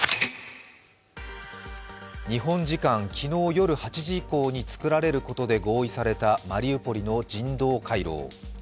日本時間昨日夜８時以降に作られることで合意されたマリウポリの人道回廊。